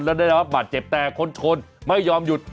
แล้วได้รับบาดเจ็บแต่คนชนไม่ยอมหยุด